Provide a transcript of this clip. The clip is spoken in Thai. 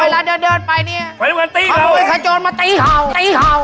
มันจะตีเค้าระป่ะเราตีเค้า